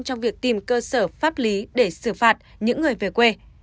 trong việc tìm cơ sở pháp lý để xử phạt những người về quê